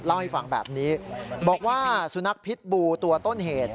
เล่าให้ฟังแบบนี้บอกว่าสุนัขพิษบูตัวต้นเหตุ